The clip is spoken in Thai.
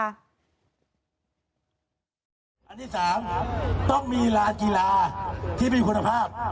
อันที่๓ต้องมีลากีฬาที่มีคุณภาพ